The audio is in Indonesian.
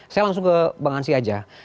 saya langsung ke bang ansy aja